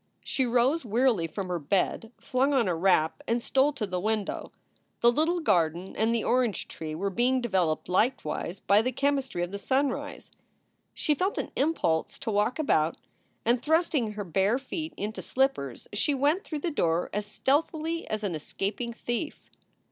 She rose wearily from her bed, flung on a wrap, and stole to the window. The little garden and the orange tree were being developed likewise by the chemistry of the sunrise. She felt an impulse to walk about, and, thrusting her bare feet into slippers, she went through the door as stealthily as an escaping thief.